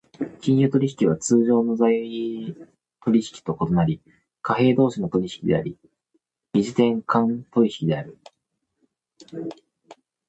金融取引は通常の財取引と異なり、貨幣同士の取引であり、異時点間取引である。